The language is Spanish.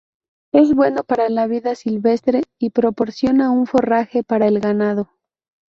Es bueno para la vida silvestre, y proporciona un forraje para el ganado.